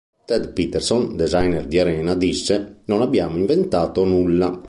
Ted Peterson, designer di "Arena", disse: "Non abbiamo inventato nulla.